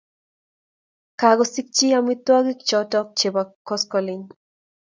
kakosikchi amitwokikchoo chebo koskoleny